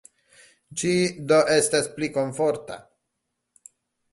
Ĝi do estas pli komforta.